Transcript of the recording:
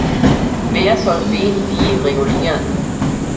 Wer soll wen wie regulieren?